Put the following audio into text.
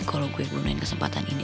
kalau gue menunai kesempatan ini